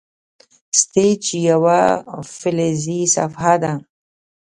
سټیج یوه فلزي صفحه ده.